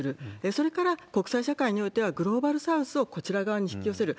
それから、国際社会においては、グローバルサウスをこちら側に引き寄せる。